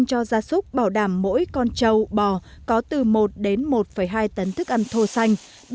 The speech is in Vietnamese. cho gia súc bảo đảm mỗi con trâu bò có từ một đến một hai tấn thức ăn thô xanh